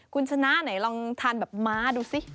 คุณชนะไหนลองทานแบบม้าดูสิ